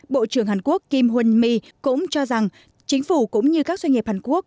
bộ trưởng hàn quốc kim hun mi cũng cho rằng chính phủ cũng như các doanh nghiệp hàn quốc